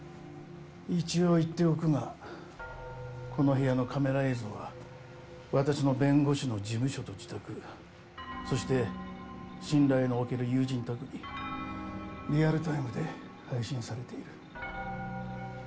一応言っておくがこの部屋のカメラ映像は私の弁護士の事務所と自宅そして信頼のおける友人宅にリアルタイムで配信されている。